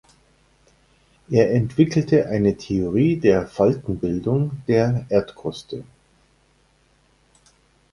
Er entwickelte eine Theorie der Faltenbildung der Erdkruste.